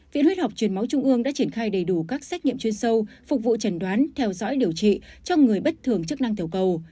viện huyết học truyền máu trung ương đã triển khai đầy đủ các xét nghiệm chuyên sâu phục vụ trần đoán theo dõi điều trị cho người bất thường chức năng tiểu cầu